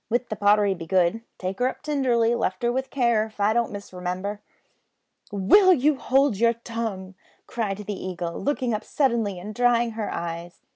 But the pottery begood with `Take her up tinderly, lift her with care,' if I don't misremimber." "Will you hold your tongue!" cried the Eagle, looking up suddenly and drying her eyes.